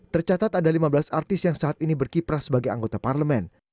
tercatat ada lima belas artis yang saat ini berkiprah sebagai anggota parlemen